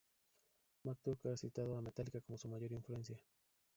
Matt Tuck ha citado a Metallica como su mayor influencia.